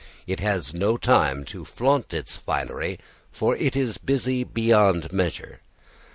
It has no time to flaunt its finery, for it is busy beyond measure.